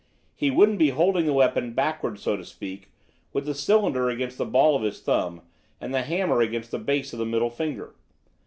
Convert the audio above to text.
He wouldn't be holding the weapon backward, so to speak, with the cylinder against the ball of his thumb and the hammer against the base of the middle finger.